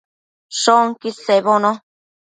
Shoquid sebono